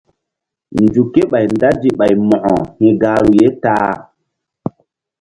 Nzuk ké ɓay ndazi ɓay Mo̧ko hi̧ gahru ye ta-a.